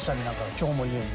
今日も家に。